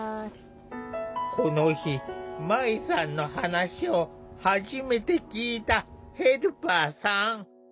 この日まいさんの話を初めて聞いたヘルパーさん。